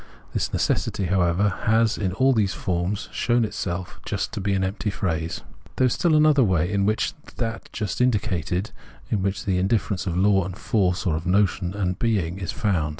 This necessity, however, has in all these forms shown itself to be just an empty phrase. • There is still another way than that just indicated in which the indifference of law and force, or of notion and being, is found.